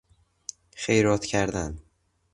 خیرات کردن